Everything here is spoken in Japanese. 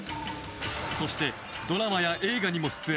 そして、ドラマや映画にも出演。